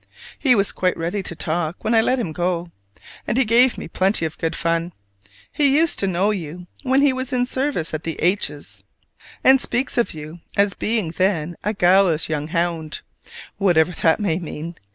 He was quite ready to talk when I let him go; and he gave me plenty of good fun. He used to know you when he was in service at the H s, and speaks of you as being then "a gallous young hound," whatever that may mean.